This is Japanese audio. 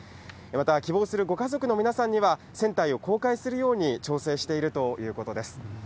また、希望するご家族の皆さんには、船体を公開するように調整しているということです。